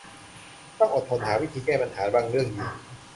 ต้องอดทนหาวิธีแก้ปัญหาบางเรื่องอยู่